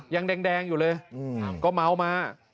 ยังแดงอยู่เลยก็เมามา